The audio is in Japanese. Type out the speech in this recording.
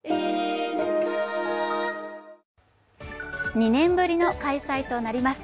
２年ぶりの開催となります。